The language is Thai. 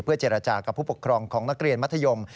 เจรจากับผู้ปกครองของนักเรียนมัธยม